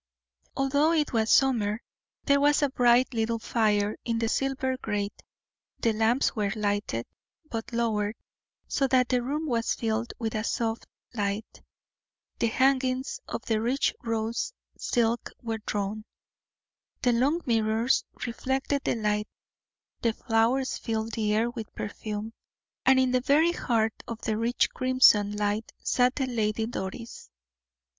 Although it was summer there was a bright little fire in the silver grate, the lamps were lighted, but lowered, so that the room was filled with a soft light; the hangings of rich rose silk were drawn, the long mirrors reflected the light, the flowers filled the air with perfume, and in the very heart of the rich crimson light sat the Lady Doris.